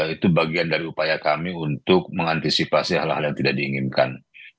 itu bagian dari upaya kami untuk mengantisipasi hal hal yang tidak diinginkan